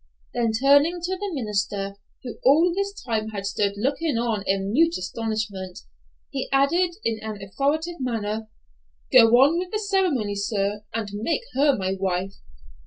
Then turning to the minister, who all this time had stood looking on in mute astonishment, he added, in an authoritative manner, "Go on with the ceremony, sir, and make her my wife."